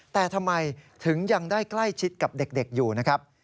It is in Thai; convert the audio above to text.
แต่ทำไมถึงยังได้ใกล้ชิดกับเด็กอยู่นะครับ